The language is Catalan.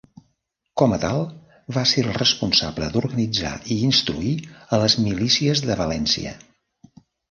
Com a tal, va ser el responsable d'organitzar i instruir a les milícies de València.